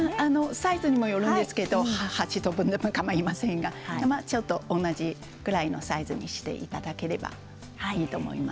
サイズにもよりますが８等分でもかまいませんがちょっと同じぐらいのサイズにしていただければいいと思います。